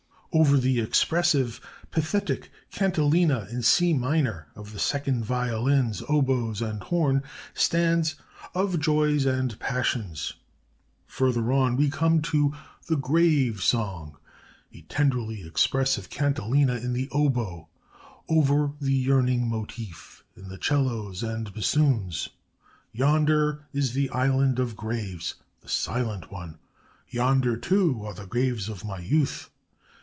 "Over the expressive, pathetic cantilena in C minor of the second violins, oboes, and horn, stands, 'OF JOYS AND PASSIONS'. "Further on we come to the 'GRAVE SONG,' a tenderly expressive cantilena in the oboe, over the 'Yearning motive' in the 'cellos and bassoons: 'Yonder is the island of graves, the silent one; yonder, too, are the graves of my youth.